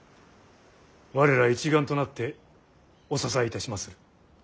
我ら一丸となってお支えいたしまする。